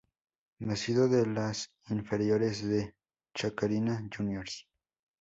Nacido de las inferiores de Chacarita Juniors.